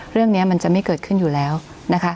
เรื่องนี้มันจะไม่เกิดขึ้นอยู่แล้วนะคะ